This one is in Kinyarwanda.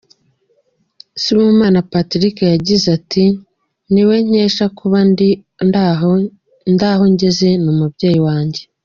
Sibomana Patrick yagize ati” Ni we nkesha kuba ndi aho ngeze, ni umubyeyi wanjye.